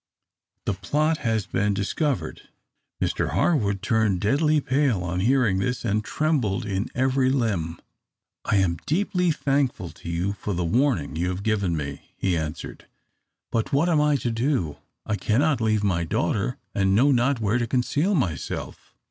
The plot has been discovered!" Mr Harwood turned deadly pale on hearing this, and trembled in every limb. "I am deeply thankful to you for the warning you have given me," he answered. "But what am I to do? I cannot leave my daughter, and know not where to conceal myself."